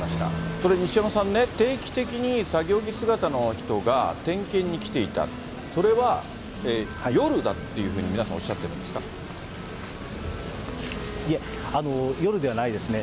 これ、西山さんね、定期的に作業着姿の人が点検に来ていた、それは夜だっていうふうに皆さん、いえ、夜ではないですね。